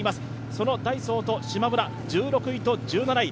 そのダイソーとしまむら、１６位と１７位。